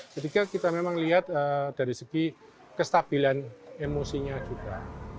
ketika kita memang lihat dari segi kestabilan emosinya juga